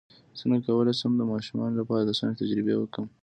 څنګه کولی شم د ماشومانو لپاره د ساینس تجربې وکړم